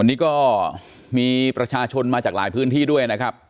วันนี้ก็มีประชาชนมาจากหลายพื้นที่ด้วยนะครับ